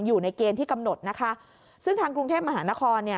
อยู่ในเกณฑ์ที่กำหนดนะคะซึ่งทางกรุงเทพมหานครเนี่ย